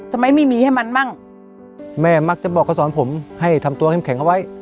ทำไมไม่มีให้มันมั่งแม่มักจะบอกเขาสอนผมให้ทำตัวเข้มแข็งเอาไว้